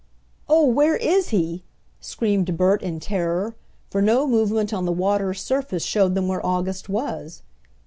"Oh, where is he?" screamed Bert in terror, for no movement on the water's surface showed them where August was.